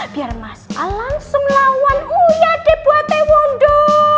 biar mas al langsung lawan uya deh buat tewondo